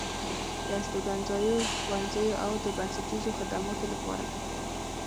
د استوګنځايو، ښوونځيو او د بنسټيزو خدماتو لپاره